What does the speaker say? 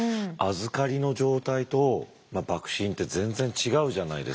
預かりの状態と幕臣って全然違うじゃないですか。